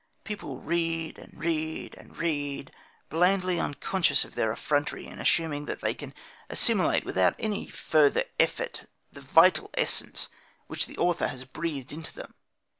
People read, and read, and read, blandly unconscious of their effrontery in assuming that they can assimilate without any further effort the vital essence which the author has breathed into them.